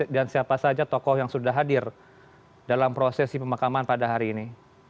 dan siapa saja tokoh yang sudah hadir dalam prosesi pemakaman pada hari ini